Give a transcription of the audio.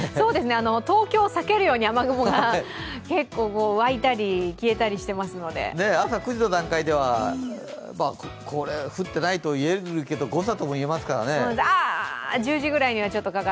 東京を避けるように雨雲が湧いたり朝９時の段階では降っていないと言えるけど誤差とも言えますからね。